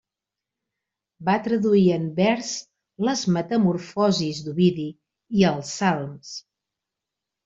Va traduir en vers les Metamorfosis d'Ovidi i els Salms.